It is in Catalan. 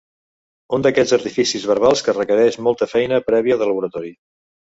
Un d'aquells artificis verbals que requereix molta feina prèvia de laboratori.